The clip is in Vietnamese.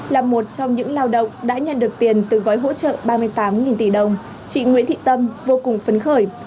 là một trong những lao động đã nhận được tiền từ gói hỗ trợ ba mươi tám tỷ đồng chị nguyễn thị tâm vô cùng phấn khởi